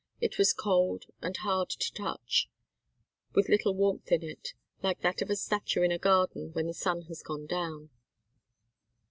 It was cold and hard to touch, with little warmth in it, like that of a statue in a garden when the sun has gone down.